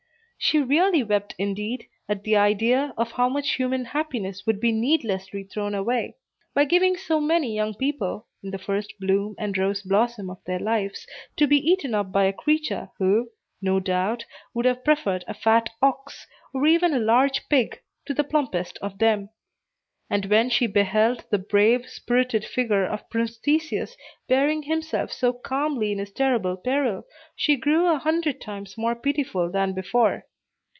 She really wept indeed, at the idea of how much human happiness would be needlessly thrown away, by giving so many young people, in the first bloom and rose blossom of their lives, to be eaten up by a creature who, no doubt, would have preferred a fat ox, or even a large pig, to the plumpest of them. And when she beheld the brave, spirited figure of Prince Theseus bearing himself so calmly in his terrible peril, she grew a hundred times more pitiful than before.